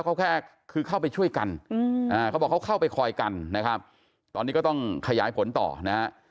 เขาแค่คือเข้าไปช่วยกันเขาบอกเขาเข้าไปคอยกันนะครับตอนนี้ก็ต้องขยายผลต่อนะฮะ